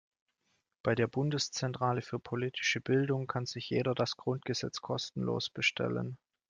Bei der Bundeszentrale für politische Bildung kann sich jeder das Grundgesetz kostenlos bestellen.